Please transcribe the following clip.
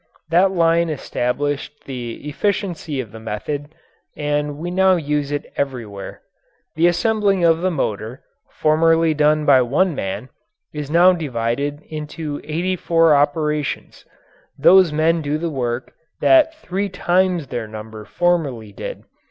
That line established the efficiency of the method and we now use it everywhere. The assembling of the motor, formerly done by one man, is now divided into eighty four operations those men do the work that three times their number formerly did.